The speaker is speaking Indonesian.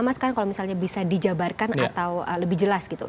mas kan kalau misalnya bisa dijabarkan atau lebih jelas gitu